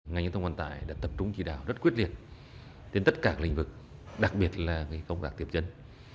ngành giao thông vận tải đã tập trung chỉ đào rất quyết liệt đến tất cả lĩnh vực đặc biệt là công tác tiệm chân